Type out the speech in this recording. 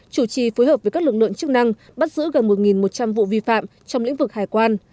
chủ trì phối hợp với các lực lượng chức năng bắt giữ gần một một trăm linh vụ vi phạm trong lĩnh vực hải quan